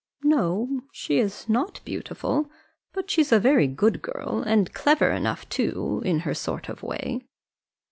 "No, she's not beautiful; but she's a very good girl, and clever enough too, in her sort of way."